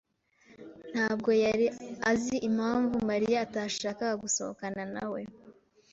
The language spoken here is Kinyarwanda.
ntabwo yari azi impamvu Mariya atashakaga gusohokana nawe.